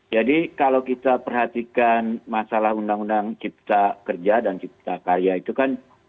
jadi kalau kita perhatikan masalah undang undang cipta kerja dan cipta karya itu kan